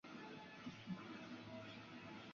拉森认为这是他们所取得的胜利。